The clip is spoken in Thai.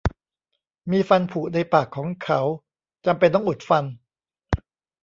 มีฟันผุในปากของเขา จำเป็นต้องอุดฟัน